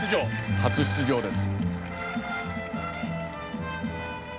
初出場です。